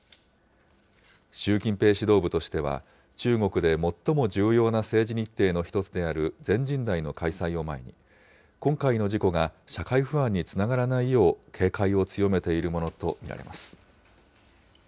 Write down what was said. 習近平指導部としては、中国で最も重要な政治日程の１つである全人代の開催を前に、今回の事故が社会不安につながらないよう警戒を強めているものと見られます。